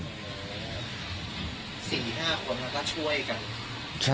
สี่ห้าคนแล้วก็ช่วยกัน